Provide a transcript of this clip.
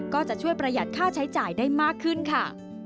ก็จะช่วยประหยัดค่าใช้จ่ายได้มากขึ้นค่ะ